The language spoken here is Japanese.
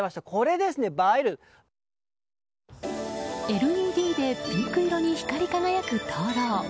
ＬＥＤでピンク色に光り輝く灯篭。